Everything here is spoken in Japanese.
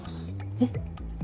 えっ。